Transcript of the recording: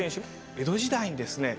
江戸時代にですね